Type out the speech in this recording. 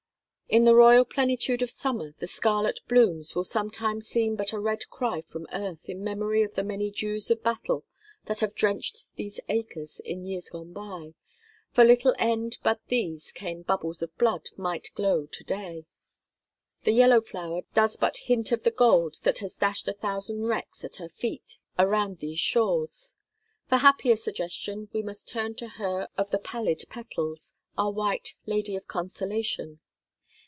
In the royal plenitude of summer, the scarlet blooms will sometimes seem but a red cry from earth in memory of the many dews of battle that have drenched these acres in years gone by, for little end but that these same "bubbles of blood" might glow to day; the yellow flower does but hint of the gold that has dashed a thousand wrecks at her feet around these shores: for happier suggestion we must turn to her of the pallid petals, our white Lady of Consolation.